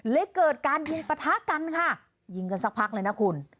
เกิดการยิงปะทะกันค่ะยิงกันสักพักเลยนะคุณ